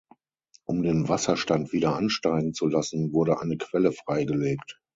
Um den Wasserstand wieder ansteigen zu lassen, wurde eine Quelle freigelegt.